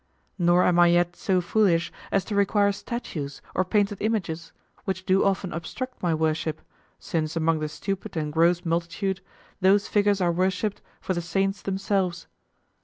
Nor am I yet so foolish as to require statues or painted images, which do often obstruct my worship, since among the stupid and gross multitude those figures are worshiped for the saints themselves.